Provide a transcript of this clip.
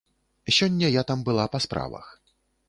Сёння я там была па справах.